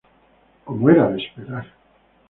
Como era de esperar